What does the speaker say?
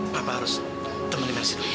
papa harus temani merci dulu